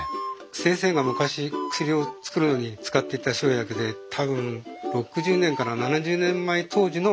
先生が昔薬を作るのに使っていた生薬で多分６０年から７０年前当時のものが残ってるんですよ。